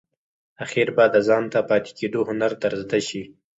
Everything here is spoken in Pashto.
آخیر به د ځانته پاتې کېدو هنر در زده شي !